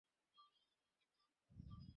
আমি শুধু সামনা-সামনি যুদ্ধ করতে জানি।